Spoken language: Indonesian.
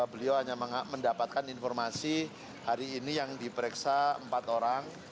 beliau hanya mendapatkan informasi hari ini yang diperiksa empat orang